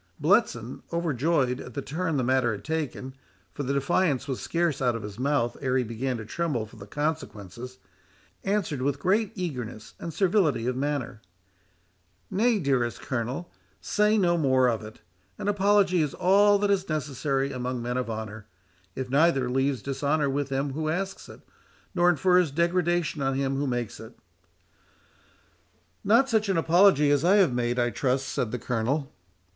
Bletson, overjoyed at the turn the matter had taken—for the defiance was scarce out of his mouth ere he began to tremble for the consequences—answered with great eagerness and servility of manner,—"Nay, dearest Colonel, say no more of it—an apology is all that is necessary among men of honour—it neither leaves dishonour with him who asks it, nor infers degradation on him who makes it." "Not such an apology as I have made, I trust," said the Colonel.